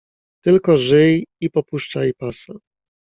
"Tylko żyj i popuszczaj pasa!"